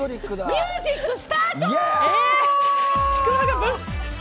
ミュージックスタート！